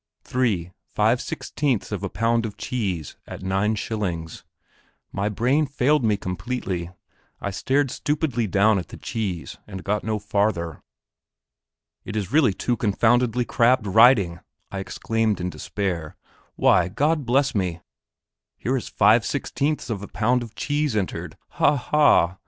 5/16ths of a pound of cheese at 9d." My brain failed me completely; I stared stupidly down at the cheese, and got no farther. "It is really too confoundedly crabbed writing," I exclaimed in despair. "Why, God bless me, here is 5/16ths of a pound of cheese entered ha, ha!